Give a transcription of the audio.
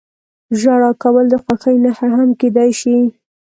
• ژړا کول د خوښۍ نښه هم کېدای شي.